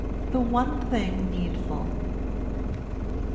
THE ONE THING NEEDFUL (1866.)